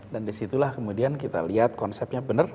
dan disitulah kemudian kita lihat konsepnya benar